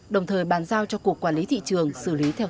đồng thời bán ra các bình khí cười n hai o